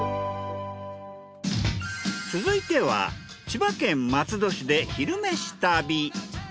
続いては千葉県松戸市で「昼めし旅」。